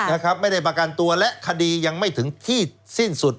นะครับไม่ได้ประกันตัวและคดียังไม่ถึงที่สิ้นสุด